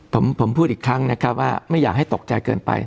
ผมพูดอีกครั้งนะครับว่าไม่อยากให้ตกใจเกินไป